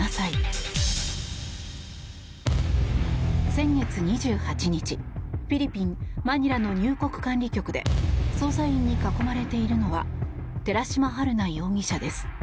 先月２８日フィリピン・マニラの入国管理局で捜査員に囲まれているのは寺島春奈容疑者です。